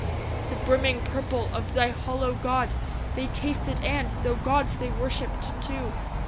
The brimming purple of thy hollow gold They tasted and, 'though gods, they worship'd too!